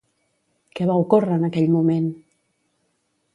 Què va ocórrer en aquell moment?